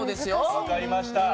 分かりました。